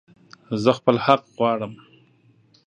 زه خپل حق غواړم